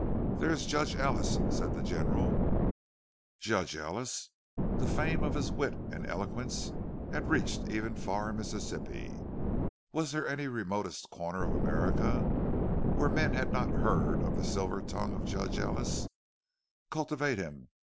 "There is Judge Ellis," said the General. Judge Ellis! The fame of his wit and eloquence had reached even far Mississippi—was there any remotest corner of America where men had not heard of the silver tongue of Judge Ellis? "Cultivate him!"